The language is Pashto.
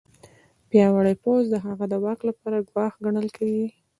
پیاوړی پوځ د هغه د واک لپاره ګواښ ګڼل کېده.